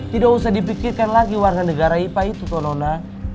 tidak usah dipikirkan lagi warga negara ipa itu corona